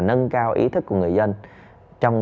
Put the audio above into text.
nâng cao ý thức của người dân trong